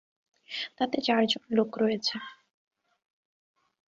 তাতে চারজন লোক রয়েছে।